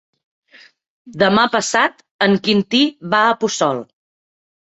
Demà passat en Quintí va a Puçol.